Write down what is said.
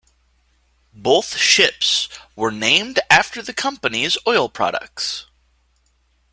Both ships were named after the company's oil products.